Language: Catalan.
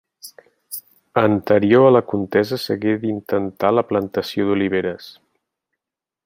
Anterior a la contesa, s'hagué d'intentar la plantació d'oliveres.